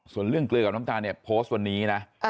ส่วนเรื่องเกลือกับน้ำตาลเนี่ยโพสต์วันนี้นะ